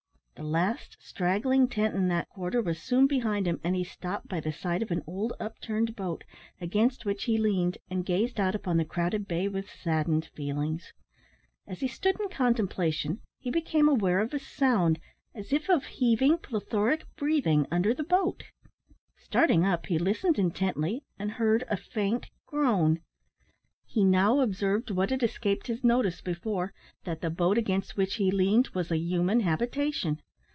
The last straggling tent in that quarter was soon behind bun, and he stopped by the side of an old upturned boat, against which he leaned, and gazed out upon the crowded bay with saddened feelings. As he stood in contemplation, he became aware of a sound, as if of heaving, plethoric breathing under the boat. Starting up, he listened intently, and heard a faint groan. He now observed, what had escaped his notice before, that the boat against which he leaned was a human habitation.